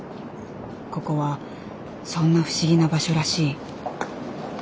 ここはそんな不思議な場所らしい。